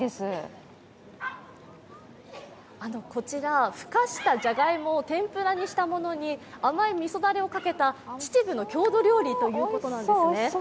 こちら、ふかしたじゃがいもを天ぷらにしたものに甘いみそだれをかけた秩父の郷土料理だということなんですね。